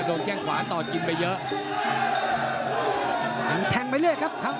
โดนแก้งขวาต่อจินไปเยอะยังแทงไปเรื่อยครับคั่ง